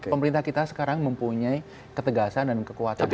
pemerintah kita sekarang mempunyai ketegasan dan kekuatan